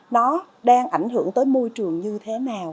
nó đang ảnh hưởng tới môi trường như thế nào